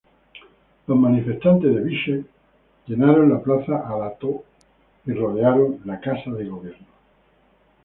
Los manifestantes de Bishkek llenaron la Plaza Ala-Too y rodearon la casa de gobierno.